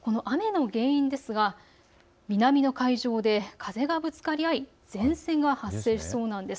この雨の原因ですが南の海上で風がぶつかり合い前線が発生しそうなんです。